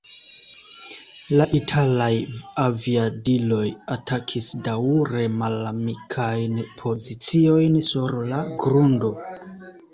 La italaj aviadiloj atakis daŭre malamikajn poziciojn sur la grundo.